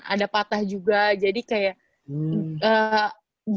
ada patah juga jadi kayak